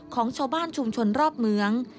ของชาวบ้านชุมชนรอบเมือง